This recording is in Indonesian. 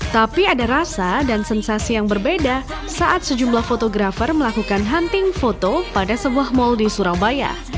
tapi ada rasa dan sensasi yang berbeda saat sejumlah fotografer melakukan hunting foto pada sebuah mal di surabaya